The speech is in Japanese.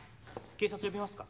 警察呼びますか？